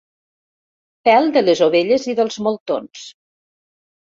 Pèl de les ovelles i dels moltons.